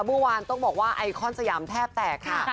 เมื่อวานต้องบอกว่าไอคอนสยามแทบแตกค่ะ